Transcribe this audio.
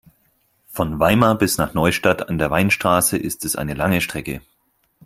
Von Weimar bis nach Neustadt an der Weinstraße ist es eine lange Strecke